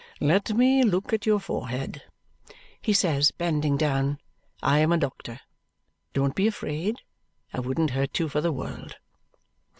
"Let me look at your forehead," he says, bending down. "I am a doctor. Don't be afraid. I wouldn't hurt you for the world."